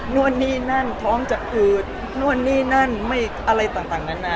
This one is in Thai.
นู่นนี่นั่นท้องจะอืดนู่นนี่นั่นไม่อะไรต่างนานา